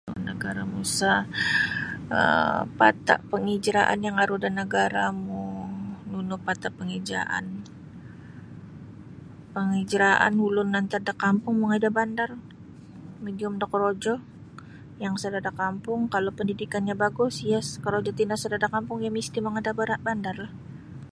[unintelligible] Penghijraan yang aru da nagara mu nunu patut penghijraan penghijraan ulun antad da kampung mongoi da bandar magium da korojo yang sada da kampung kalau pendidiknyo bagus iyo korojo tino sada da kampung iyo misti bera-beradanda bandarlah.